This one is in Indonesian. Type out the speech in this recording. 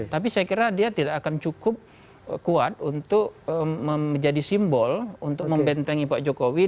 tapi saya kira dia tidak akan cukup kuat untuk menjadi simbol untuk membentengi pak jokowi